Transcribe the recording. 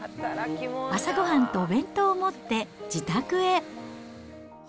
朝ごはんとお弁当を持って自宅へ。